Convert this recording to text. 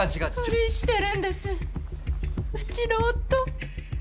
不倫してるんですうちの夫。